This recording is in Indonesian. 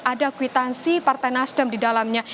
ada kwitansi partai nasdem di dalamnya